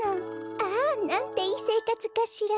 ああなんていいせいかつかしら！